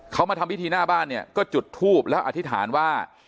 เขามาทำพิธีหน้าบ้านเนี่ยก็จุดทูบแล้วอธิษฐานว่า